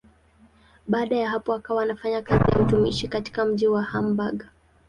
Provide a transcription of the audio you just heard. Baada ya hapo akawa anafanya kazi ya utumishi katika mji wa Hamburg.